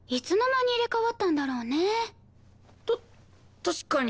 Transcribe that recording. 確かに。